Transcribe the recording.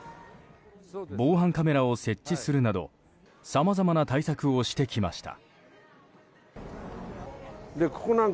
防犯カメラを設置するなどさまざまな対策をしてきました。